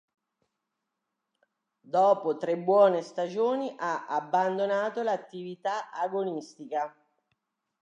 Dopo tre buone stagioni, ha abbandonato l'attività agonistica.